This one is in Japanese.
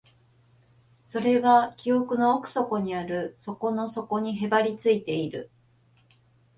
それは記憶の奥底にある、底の底にへばりついている